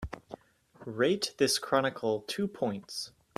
rate this chronicle two points